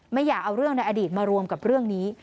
ไม่อยากเอาเรื่องในอดีตมารวมกับเรื่องนี้